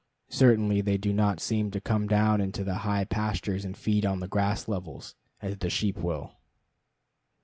Certainly they do not seem to come down into the high pastures and feed on the grass levels as the sheep will.